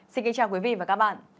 xin kính chào quý vị và các bạn